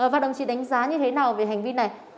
và đồng chí đánh giá như thế nào về hành vi này